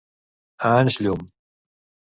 A anys llum.